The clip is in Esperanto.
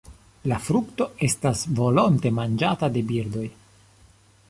La frukto estas volonte manĝata de birdoj.